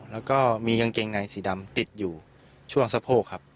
แล้วก็มีกางเกงในสีดำติดอยู่ช่วงสะโพกครับ